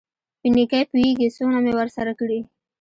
په نېکۍ پوېېږي څونه مې ورسره کړي.